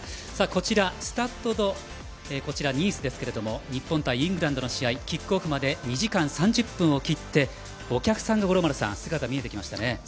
こちらスタッド・ド・ニースですが日本対イングランドの試合キックオフまで２時間３０分を切ってお客さんの姿が見えてきましたね。